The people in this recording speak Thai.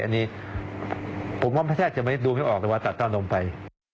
อันนี้ผมว่าแทบจะไม่ดูไม่ออกเลยว่าตัดเต้านมไป